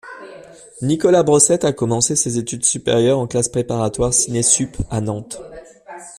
Nicolas Brossette a commencé ses études supérieures en classe préparatoire Ciné-Sup, à Nantes.